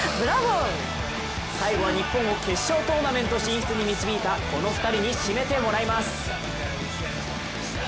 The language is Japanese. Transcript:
最後は日本を決勝トーナメント進出に導いたこの２人に締めてもらいます！